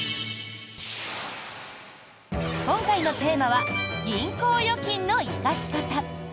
今回のテーマは銀行預金の生かし方。